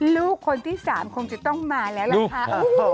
ลูกคนที่๓คงจะต้องมาแล้วล่ะค่ะ